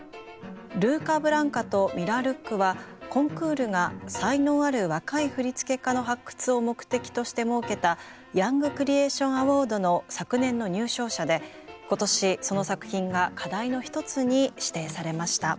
ルーカ・ブランカとミラ・ルックはコンクールが才能ある若い振付家の発掘を目的として設けたヤング・クリエーション・アワードの昨年の入賞者で今年その作品が課題の一つに指定されました。